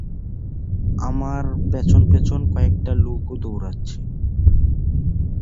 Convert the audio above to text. আমার পেছন পেছন কয়েকটা লোক ও দৌড়াচ্ছে।